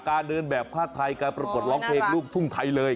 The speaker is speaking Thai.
การเดินแบบภาคไทยการประบบร้องเพลงลูกทุ่มไทยเลย